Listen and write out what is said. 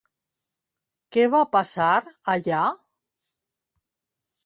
Què va passar allà?